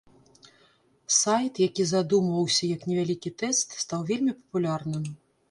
Сайт, які задумваўся як невялікі тэст, стаў вельмі папулярным.